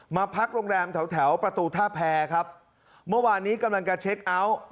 มาพักโรงแรมแถวแถวประตูท่าแพรครับเมื่อวานนี้กำลังจะเช็คเอาท์